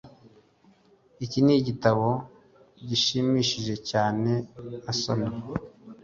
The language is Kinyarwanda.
iki nigitabo gishimishije cyane nasomye